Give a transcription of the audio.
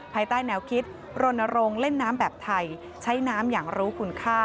ภายใต้แนวคิดรณรงค์เล่นน้ำแบบไทยใช้น้ำอย่างรู้คุณค่า